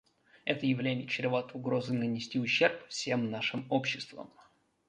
Это явление чревато угрозой нанести ущерб всем нашим обществам.